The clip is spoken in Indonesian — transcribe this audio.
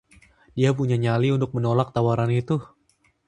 Dia punya nyali untuk menolak tawaran itu.